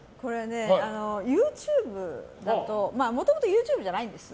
ＹｏｕＴｕｂｅだともともとＹｏｕＴｕｂｅじゃないんです。